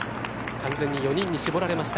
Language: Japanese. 完全に４人に絞られました。